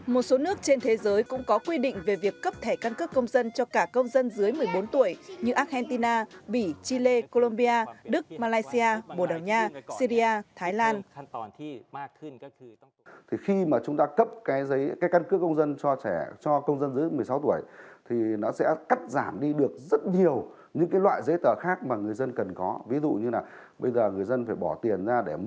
một số nước trên thế giới cũng có quy định về việc cấp thẻ căn cước công dân cho cả công dân dưới một mươi bốn tuổi như argentina bỉ chile colombia đức malaysia bồ đào nha syria thái lan